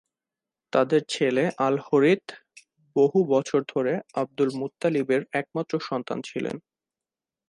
তাদের ছেলে আল-হরিথ বহু বছর ধরে আবদুল-মুত্তালিবের একমাত্র সন্তান ছিলেন।